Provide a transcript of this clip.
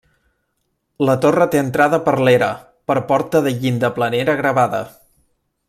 La torre té entrada per l'era, per porta de llinda planera gravada.